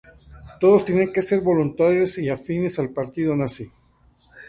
Todos tenían que ser voluntarios y afines al Partido Nazi.